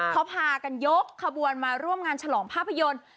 เขาพากันยกขบวนมาร่วมงานฉลองภาพยนตร์